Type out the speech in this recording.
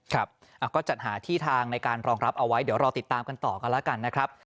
ครับก็จัดหาที่ทางในการรองรับเอาไว้เดี๋ยวรอติดตามกันต่อกันแล้วกันนะครับ